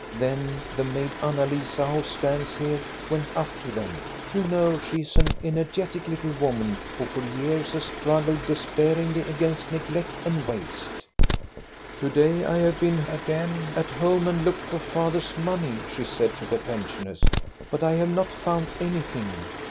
Then the maid, Anna Lisa, who stands here, went up to them. You know she is an energetic little woman who for years has struggled despairingly against neglect and waste. "* To day I have again been at home and looked for father's money,* she said to the pensioners ;' but I have not found anything.